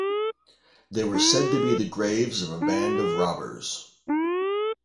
They were said to be the graves of a band of robbers.